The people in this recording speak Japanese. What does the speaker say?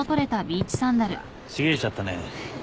ちぎれちゃったね。